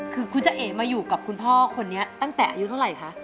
คือคุณจะเอ๋มาอยู่กับคุณพ่อคนนี้ตั้งแต่อายุเท่าไหร่คะ